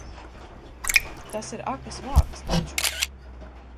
Tas ir akas vāks taču.